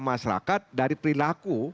masyarakat dari perilaku